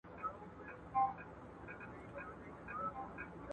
پیکه - پیکه ډیوې به بلیدې چي ته راتلې